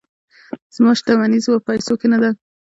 زما شتمني زما په پیسو کې نه ده.